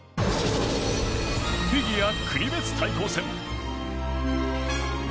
フィギュア国別対抗戦。